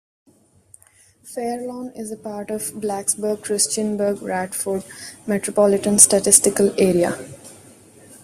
Fairlawn is part of the Blacksburg-Christiansburg-Radford Metropolitan Statistical Area.